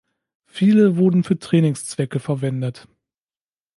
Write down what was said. Viele wurden für Trainingszwecke verwendet.